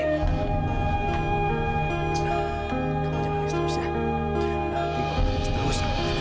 kamu jangan lagi seterusnya